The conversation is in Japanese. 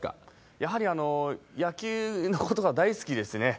やはり野球のことが大好きですね。